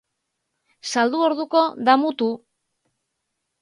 Saldu orduko, damutu.